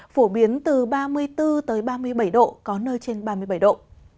phổ biến từ ba mươi bốn ba mươi bảy độ có nơi trên ba mươi bảy độ